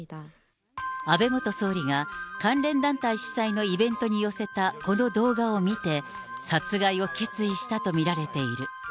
安倍元総理が関連団体主催のイベントに寄せたこの動画を見て、殺害を決意したと見られている。